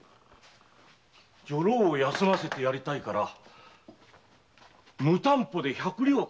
女郎を休ませてやりたいから無担保で百両貸せと？